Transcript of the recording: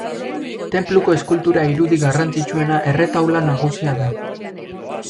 Tenpluko eskultura irudi garrantzitsuena erretaula nagusia da.